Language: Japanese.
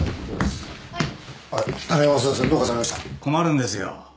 困るんですよ。